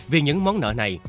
vì những món nợ này